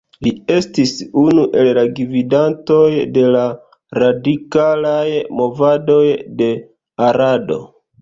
Li estis unu el la gvidantoj de la radikalaj movadoj de Arado.